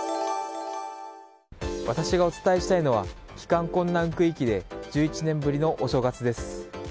私がお伝えしたいのは帰還困難区域で１１年ぶりのお正月です。